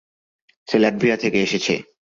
সে Latvia থেকে এসেছে।